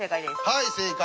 はい正解。